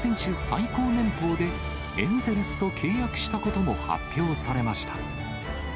最高年俸で、エンゼルスと契約したことも発表されました。